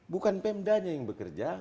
bukan pmd nya yang bekerja